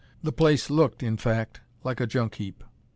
The place looked, in fact, like a junk heap.